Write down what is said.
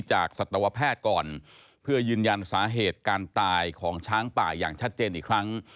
สัตวแพทย์ก่อนเพื่อยืนยันสาเหตุการตายของช้างป่าอย่างชัดเจนอีกครั้ง